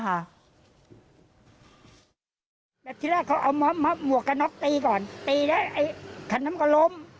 แบบที่แรกเขาเอาหมักบาทกะตี่ก่อนตีแล้วขนมก็ล้ม